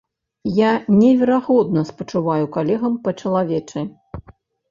Я неверагодна спачуваю калегам па-чалавечы.